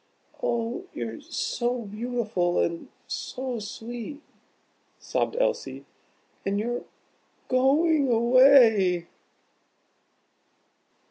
"Oh, you're s o beautiful, and s o sweet!" sobbed Elsie; "and you're go o ing away."